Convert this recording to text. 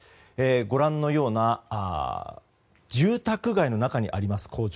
ご覧のような住宅街の中にあります工場。